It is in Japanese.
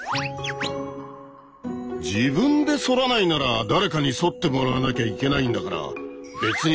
自分でそらないなら誰かにそってもらわなきゃいけないんだからそうね。